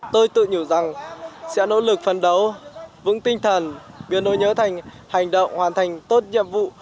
tôi tự nhủ rằng sẽ nỗ lực phấn đấu vững tinh thần biến đối nhớ thành hành động hoàn thành tốt nhiệm vụ